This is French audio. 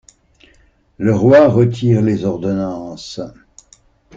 Le Roi retire les ordonnances!